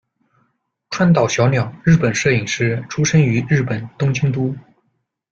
川岛小鸟，日本摄影师，出生于日本东京都。